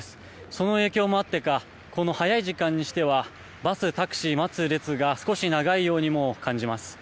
その影響もあってかこの早い時間にしてはバス、タクシーを待つ列が少し長いようにも感じます。